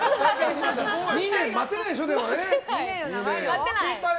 ２年待てないでしょ、でも。